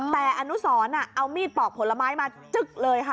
แต่อนุสรเอามีดปอกผลไม้มาจึ๊กเลยค่ะ